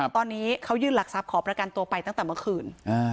ตอนนี้เขายื่นหลักทรัพย์ขอประกันตัวไปตั้งแต่เมื่อคืน